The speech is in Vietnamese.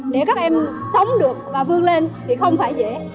nếu các em sống được và vươn lên thì không phải dễ